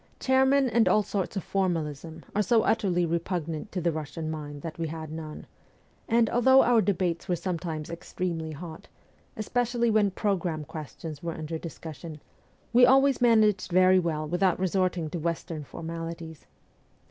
Chairmen and all sorts of formalism are so utterly repugnant to the Russian mind that we had ST. PETERSBURG 11 / none ; and although our debates were sometimes extremely hot, especially when ' programme questions ' were under discussion, we always managed very well without resorting to Western formalities.